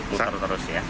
muter terus ya